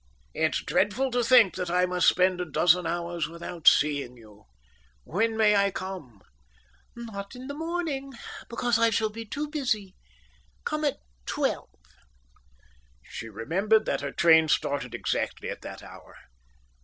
"It's dreadful to think that I must spend a dozen hours without seeing you. When may I come?" "Not in the morning, because I shall be too busy. Come at twelve." She remembered that her train started exactly at that hour.